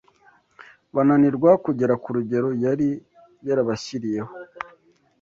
bananirwa kugera ku rugero yari yarabashyiriyeho